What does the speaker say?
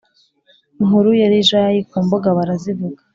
inkuru yari jayi ku mbuga barazivuga